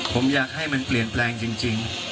ผมอยากให้มันเปลี่ยนแปลงจริง